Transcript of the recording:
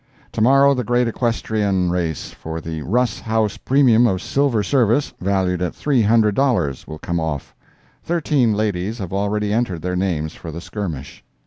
To morrow the great equestrienne race, for the Russ House premium of silver service, valued at three hundred dollars, will come off. Thirteen ladies have already entered their names for the skirmish.